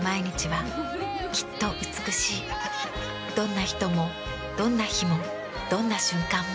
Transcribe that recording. どんな人もどんな日もどんな瞬間も。